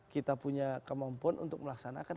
kita punya kemampuan untuk melaksanakan